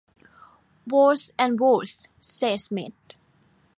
"Worse and worse," said Smith.